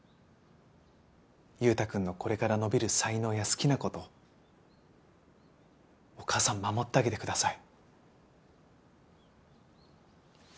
優太くんのこれから伸びる才能や好きな事お母さん守ってあげてください。